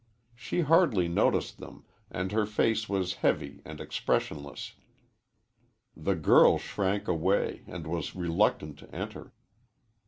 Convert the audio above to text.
She hardly noticed them, and her face was heavy and expressionless. The girl shrank away and was reluctant to enter.